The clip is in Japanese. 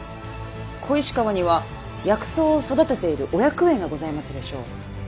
小石川には薬草を育てている御薬園がございますでしょう。